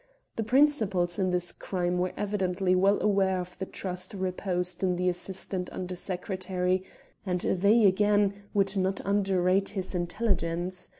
The principals in this crime were evidently well aware of the trust reposed in the Assistant Under Secretary, and they, again, would not underrate his intelligence.